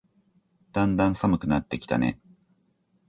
だんだん寒くなってきたね。